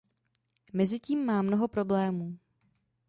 Mezitím má mnoho problémů.